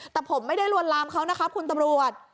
แต่ผมไม่ได้ลวนลามเขานะครับคุณตำรวจ